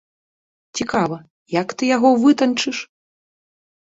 Цікава, як ты яго вытанчыш?